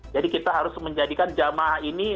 jadi kita harus menjadikan jemaah ini